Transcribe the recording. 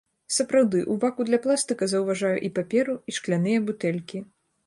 Сапраўды, у баку для пластыка заўважаю і паперу, і шкляныя бутэлькі.